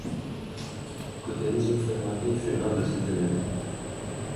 Gaudenzio Ferrari fut un de ses élèves.